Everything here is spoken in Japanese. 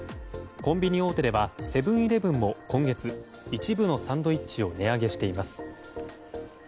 コンビニ大手ではセブン‐イレブンも今月一部のサンドイッチを値上げしています。